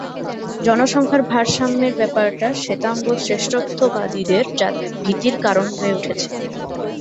জনসংখ্যার ভারসাম্যের ব্যাপারটা শ্বেতাঙ্গ শ্রেষ্ঠত্ববাদীদের ভীতির কারণ হয়ে উঠেছে।